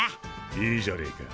いいじゃねえか。